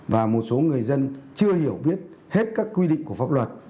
và một số người dân chưa hiểu biết hết các quy định của pháp luật